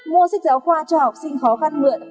mua sách giáo khoa cho học sinh khó khăn mượn